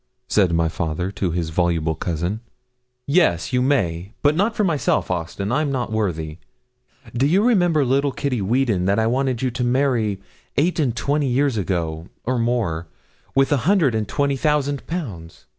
said my father to his voluble cousin. 'Yes, you may, but not for myself, Austin I'm not worthy. Do you remember little Kitty Weadon that I wanted you to marry eight and twenty years ago, or more, with a hundred and twenty thousand pounds?